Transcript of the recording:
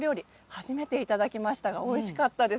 初めていただきましたけどおいしかったです。